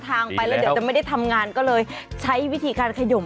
ที่ทำงานก็เลยใช้วิธีการข่ายด่วม